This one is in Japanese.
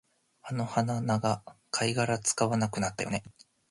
あの鼻長、貝殻使わなくなったよね